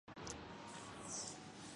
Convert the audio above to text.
پہلے battery sodium